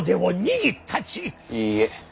いいえ。